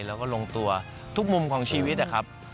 แล้วก็ลงตัวทุกมุมของชีวิตนะครับ